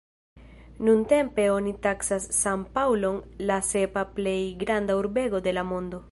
Nuntempe oni taksas San-Paŭlon la sepa plej granda urbego de la mondo.